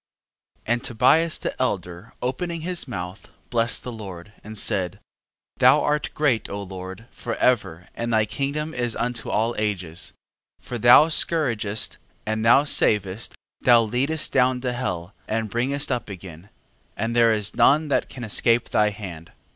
13:1. And Tobias the elder opening his mouth, blessed the Lord, and said: Thou art great O Lord, for ever, and thy kingdom is unto all ages. 13:2. For thou scourgest, and thou savest: thou leadest down to hell, and bringest up again: and there is none that can escape thy hand.